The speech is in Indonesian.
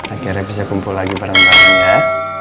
akhirnya bisa kumpul lagi para teman teman ya